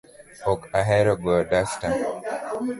Ok ahero goyo dasta